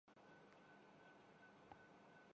record کی agency کے طور پر نامزد کِیا